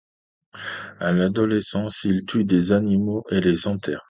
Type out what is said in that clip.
À l'adolescence, il tue des animaux et les enterre.